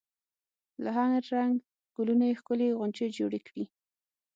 له هر رنګ ګلونو یې ښکلې غونچې جوړې کړي.